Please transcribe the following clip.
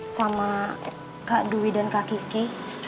sama kak dwi dan kak kiki